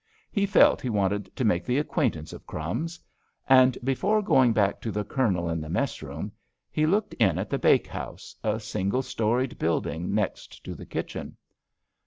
He felt he wanted to make the acquaintance of "Crumbs." And before going back to the Colonel in the mess room, he looked in at the bake house, a single storied building next to the kitchen.